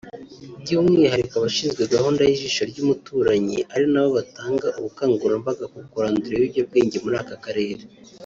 by’umwihariko abashinzwe gahunda y’ijisho ry’umuturanyi ari nabo batanga ubukangurambaga ku kurandura ibiyobyabwenge muri aka karere